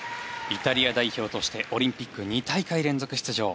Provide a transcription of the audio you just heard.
イタリア代表としてオリンピック２大会連続出場。